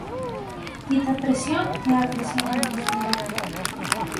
Dita presión é a presión atmosférica.